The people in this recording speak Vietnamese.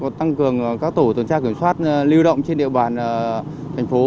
tăng cường các tổ tuần tra kiểm soát lưu động trên địa bàn thành phố